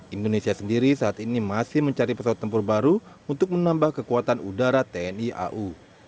indonesia sendiri saat ini masih mencari pesawat tempur baru untuk menambah kekuatan udara tni au